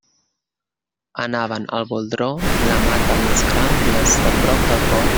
Anaven al Boldró, la mata més gran de les de prop del poble.